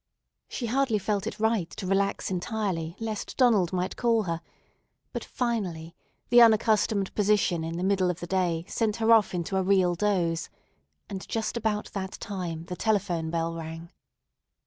She hardly felt it right to relax entirely, lest Donald might call her; but finally the unaccustomed position in the middle of the day sent her off into a real doze, and just about that time the telephone bell rang.